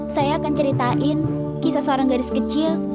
saya akan ceritain kisah seorang gadis kecil